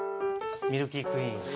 ミルキークイーン。